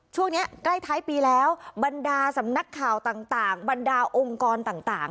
ช่วงนี้ใกล้ท้ายปีแล้วบรรดาสำนักข่าวต่างบรรดาองค์กรต่าง